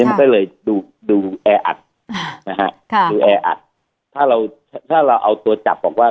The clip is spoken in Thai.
มันก็เลยดูดูแออัดนะฮะดูแออัดถ้าเราถ้าเราเอาตัวจับบอกว่า